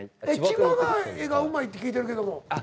千葉が絵がうまいって聞いてるけども。